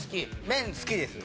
麺好きです。